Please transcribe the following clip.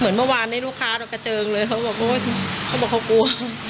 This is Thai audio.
เหมือนเมื่อวานลูกค้ากระเจิงเลยเขาบอกว่าเขากลัว